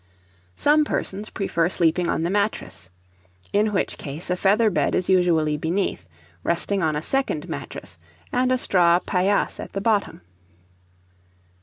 Some persons prefer sleeping on the mattress; in which case a feather bed is usually beneath, resting on a second mattress, and a straw paillasse at the bottom.